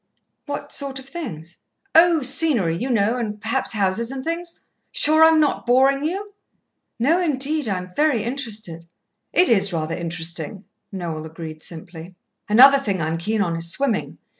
"What sort of things?" "Oh, scenery, you know, and perhaps houses and things. Sure I'm not boring you?" "No, indeed, I'm very interested." "It is rather interesting," Noel agreed simply. "Another thing I'm keen on is swimming.